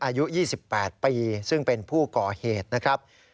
อายุ๒๘ปีซึ่งเป็นผู้ก่อเหตุนะครับ